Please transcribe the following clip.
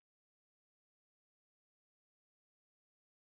baik tuan berjalan naik